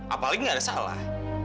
apalagi nggak ada salah